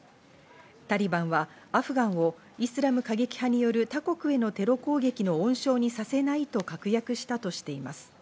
タリバンはアフガンをイスラム過激派による他国へのテロ攻撃の温床にさせないと確約したとしています。